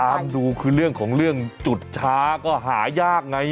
ดูคือเรื่องของเรื่องจุดช้าก็หายากไง